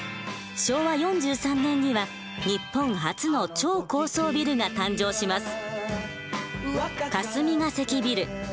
昭和４３年には日本初の超高層ビルが誕生します。